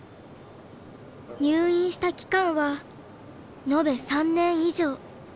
入院した期間は延べ３年以上。